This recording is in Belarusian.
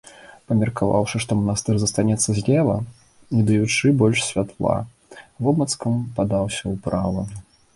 Памеркаваўшы, што манастыр застанецца злева, не даючы больш святла, вобмацкам падаўся ўправа.